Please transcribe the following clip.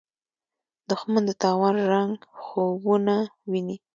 دښمن د تاوان رنګه خوبونه ویني